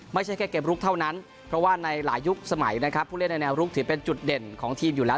ไม่ใช่แค่เกมลุกเท่านั้นเพราะว่าในหลายยุคสมัยนะครับผู้เล่นในแนวรุกถือเป็นจุดเด่นของทีมอยู่แล้ว